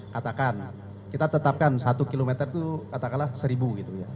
katakan kita tetapkan satu km itu katakanlah seribu gitu ya